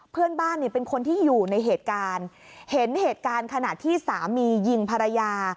เพื่อนบ้านเนี่ยเป็นคนที่อยู่ในเหตุการณ์เห็นเหตุการณ์ขณะที่สามียิงภรรยา